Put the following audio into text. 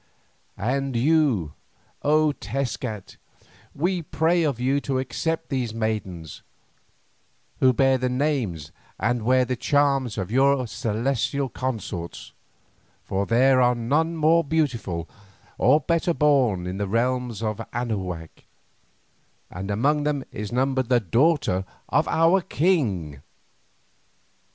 And you, O Tezcat, we pray of you to accept these maidens, who bear the names and wear the charms of your celestial consorts, for there are none more beautiful or better born in the realms of Anahuac, and among them is numbered the daughter of our king.